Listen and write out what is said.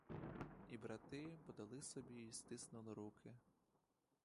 І брати подали собі й стиснули руки.